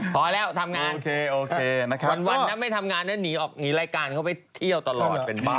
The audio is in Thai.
พอแล้วทำงานวันถ้าไม่ทำงานหนีรายการเข้าไปเที่ยวตลอด